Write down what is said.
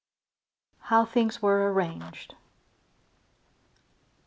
HOW THINGS WERE ARRANGED.